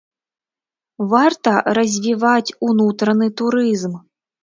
Варта развіваць унутраны турызм.